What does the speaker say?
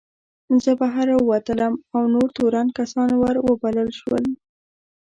زه بهر راووتلم او نور تورن کسان ور وبلل شول.